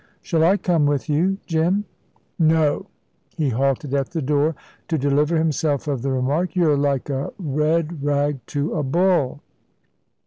Shall I come with you, Jim?" "No." He halted at the door to deliver himself of the remark, "You're like a red rag to a bull."